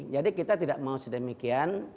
jadi kita tidak mau sedemikian